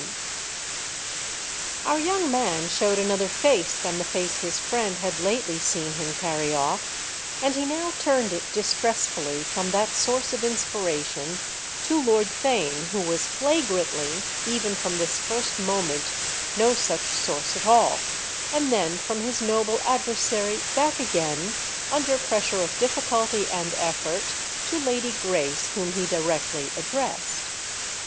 VII Our young man showed another face than the face his friend had lately seen him carry off, and he now turned it distressfully from that source of inspiration to Lord Theign, who was flagrantly, even from this first moment, no such source at all, and then from his noble adversary back again, under pressure of difficulty and effort, to Lady Grace, whom he directly addressed.